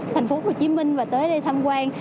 thành phố hồ chí minh và tới đây tham quan